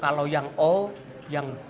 kalau yang o itu yang b